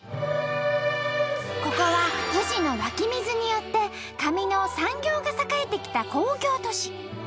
ここは富士の湧き水によって紙の産業が盛えてきた工業都市。